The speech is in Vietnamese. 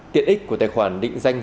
tiện ích của tài khoản định danh